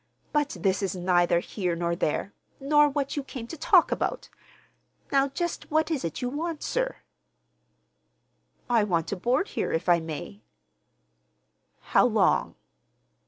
But this is neither here nor there, nor what you came to talk about! Now just what is it that you want, sir?" "I want to board here, if I may." "How long?"